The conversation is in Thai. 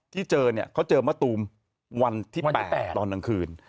เจอเนี่ยเขาเจอมะตูมวันที่๘ตอนกลางคืน